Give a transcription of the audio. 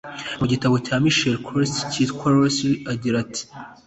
Mu gitabo cya Michel Quoist cyitwa Reussir agira ati